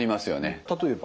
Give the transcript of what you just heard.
例えば？